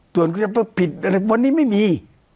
ต่อไปผิดวันนี้ไม่มี